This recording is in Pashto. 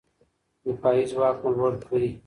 دفاعي ځواک مو لوړ کړئ.